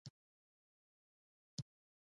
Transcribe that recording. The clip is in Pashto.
زنګون یې نور هم کت کړ، اخ.